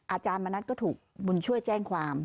อาจารย์มณัฐก็ถูกบุญช่วยแจ้งความ